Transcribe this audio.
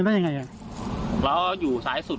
ร้อหลังครับครับ